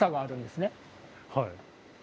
はい。